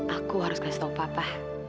aku harus kasih tau papa